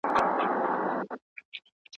زیار د خصوصي سکتور له خوا ایستل کیږي.